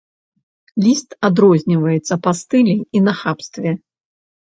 Ліст адрозніваецца па стылі і нахабстве.